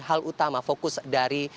hal utama fokus dari